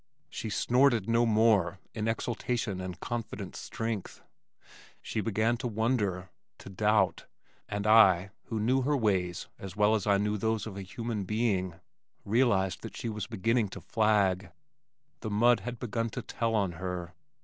She snorted no more in exultation and confident strength. She began to wonder to doubt, and I, who knew her ways as well as I knew those of a human being, realized that she was beginning to flag. The mud had begun to tell on her.